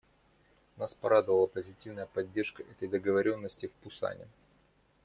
Нас порадовала позитивная поддержка этой договоренности в Пусане.